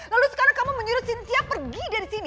lalu sekarang kamu menyuruh sinsia pergi dari sini